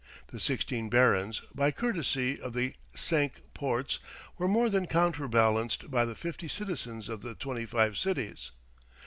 The sixteen barons, by courtesy, of the Cinque Ports were more than counterbalanced by the fifty citizens of the twenty five cities.